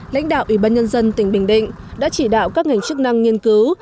lãnh đạo ủy ban nhân dân tỉnh bình định đã chỉ đạo các ngành chức năng nghiên cứu